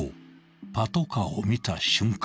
［パトカーを見た瞬間